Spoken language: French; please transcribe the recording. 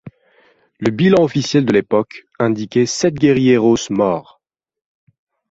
Le bilan officiel de l'époque indiquait sept guérilleros morts.